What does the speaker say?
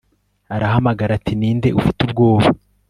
arahamagara ati 'ni nde ufite ubwoba